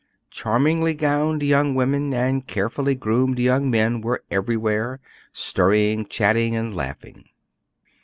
Charmingly gowned young women and carefully groomed young men were everywhere, stirring, chatting, laughing.